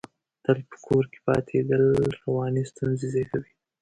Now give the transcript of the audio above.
تل په کور کې پاتې کېدل، رواني ستونزې زېږوي.